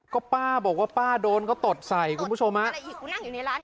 ก็ป้าบอกว่าป้าโดนก็ตรดใส่คุณผู้ชมฮะ